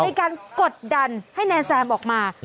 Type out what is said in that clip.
ในการกดดันให้แนนแซมออกมา